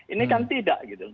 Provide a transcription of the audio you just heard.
ini kan tidak gitu